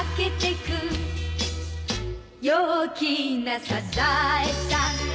「陽気なサザエさん」